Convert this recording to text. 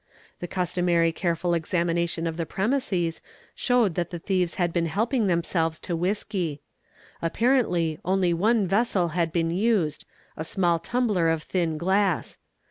The customary careful | examination of the premises showed that the thieves had been helping — themselves to whisky. Apparently only one vessel had been used—a small tumbler of thin glass.